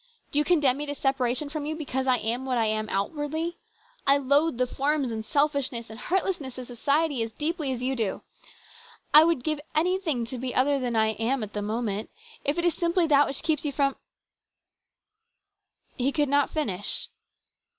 Do you condemn me to separation from you because I am what I am outwardly ? I loathe the forms and sel fishness and heartlessness of society as deeply as you do. I would give anything to be other than I am at this moment. If it is simply that which keeps you from " He could not finish.